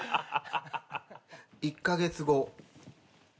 ［１カ月後］